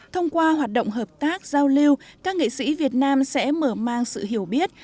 thông qua hoạt động hợp tác giao lưu các nghệ sĩ việt nam sẽ mở mang sự hiểu biết